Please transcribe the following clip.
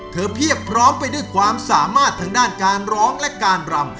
เพียบพร้อมไปด้วยความสามารถทางด้านการร้องและการรำ